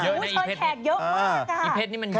เชิญแขกเยอะมากค่ะ